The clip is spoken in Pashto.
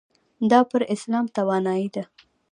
دا پر اسلام توانایۍ ده.